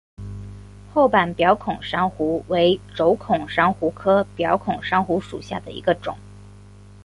厚板表孔珊瑚为轴孔珊瑚科表孔珊瑚属下的一个种。